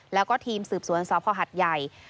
แล้วก็ทีมสืบสวนสพหัดใหญ่